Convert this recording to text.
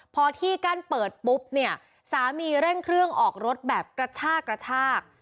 พอที่กั้นเปิดปุ๊บเนี่ยสามีเร่งเครื่องออกรถแบบกระชากกระชาก